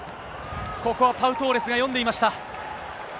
ここはパウ・トーレスが読んでいました。